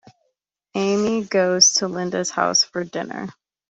Amy goes to Linda's house for dinner.